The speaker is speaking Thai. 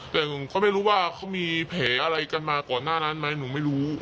นี่เขาไม่รู้ว่ามีแผลอะไรกันมาก่อนหน้านั้นไหม